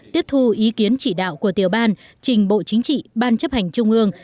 tiếp thu ý kiến chỉ đạo của tiểu ban trình bộ chính trị ban chấp hành trung ương